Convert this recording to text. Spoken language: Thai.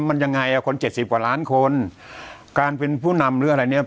มันยังไงอ่ะคนเจ็ดสิบกว่าล้านคนการเป็นผู้นำหรืออะไรเนี้ย